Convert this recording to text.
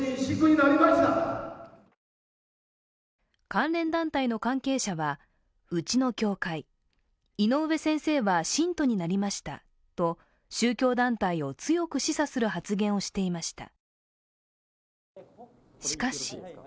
関連団体の関係者は、うちの教会井上先生は信徒になりましたと宗教団体を強く示唆する発言をしていました。